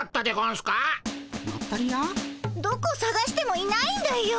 どこさがしてもいないんだよ。